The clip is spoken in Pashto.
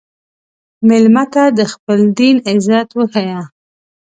مېلمه ته د خپل دین عزت وښیه.